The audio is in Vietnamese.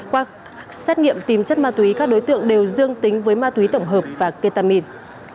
qua xét nghiệm tìm chất ma túy các đối tượng đều dương tính với ma túy tổng hợp và ketamin